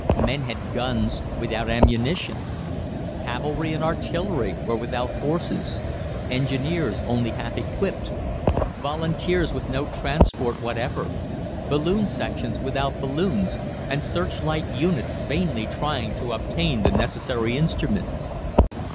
Men had guns without ammunition; cavalry and artillery were without horses; engineers only half equipped; volunteers with no transport whatever; balloon sections without balloons, and searchlight units vainly trying to obtain the necessary instruments.